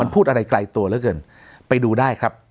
พูดอะไรไกลตัวเหลือเกินไปดูได้ครับ